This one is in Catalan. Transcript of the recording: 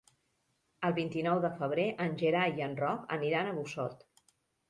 El vint-i-nou de febrer en Gerai i en Roc aniran a Busot.